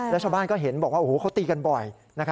แล้วชาวบ้านก็เห็นบอกว่าเขาตีกันบ่อย